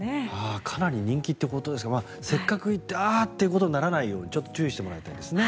かなり人気ということですがせっかく行ってああーということにならないようにちょっと注意してもらいたいですね。